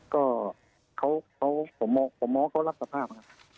ก็ผมมองเขารักษภาพครับ